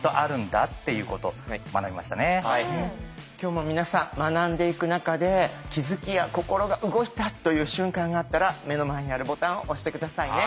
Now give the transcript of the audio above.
今日も皆さん学んでいく中で気付きや心が動いたという瞬間があったら目の前にあるボタンを押して下さいね。